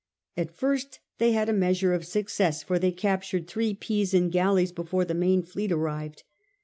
At first they had a measure of success, for they captured three Pisan galleys before the main fleet arrived.